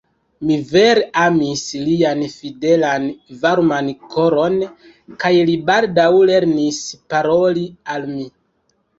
Mi vere amis lian fidelan varman koron, kaj li baldaŭ lernis paroli al mi.